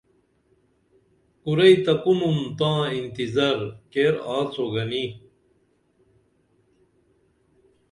کُرئی تہ کُنُن تاں انتظار کیر آڅو گنی